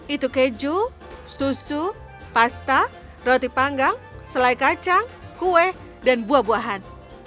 itu keju susu pasta roti panggang selai kacang kue dan buah buahan